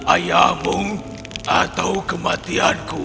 ayahmu atau kematianku